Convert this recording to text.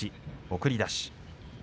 送り出し。